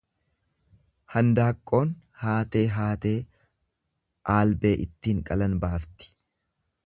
Handaaqqoon haatee haatee aalbee ittiin qalan baafti.